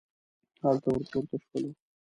هلته ور پورته شولو.